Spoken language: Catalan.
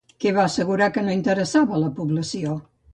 Què va assegurar que no interessava a la població?